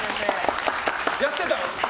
やってた？